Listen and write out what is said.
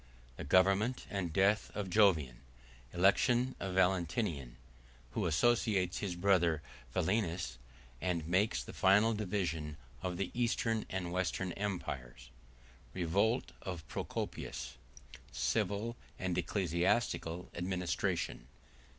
The Government And Death Of Jovian.—Election Of Valentinian, Who Associates His Brother Valens, And Makes The Final Division Of The Eastern And Western Empires.— Revolt Of Procopius.—Civil And Ecclesiastical Administration.